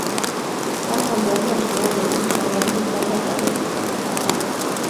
梁孔德更承认有意调整日后代表队比赛的票价。